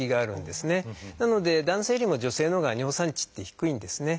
なので男性よりも女性のほうが尿酸値って低いんですね。